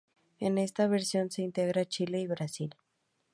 En esta versión se integran Chile y Brasil.